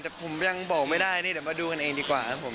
แต่ผมยังบอกไม่ได้มาดูกันเองดีกว่านี้